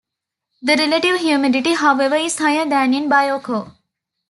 The relative humidity, however, is higher than in Bioko.